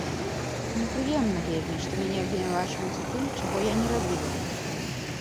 Непрыемна вельмі, што мяне абвінавачваюць у тым, чаго я не рабіла.